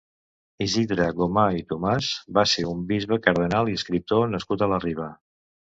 Isidre Gomà i Tomàs va ser un bisbe, cardenal i escriptor nascut a la Riba.